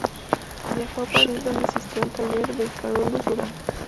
Viajó a París, donde asistió al taller de Carolus-Duran.